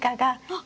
あっ。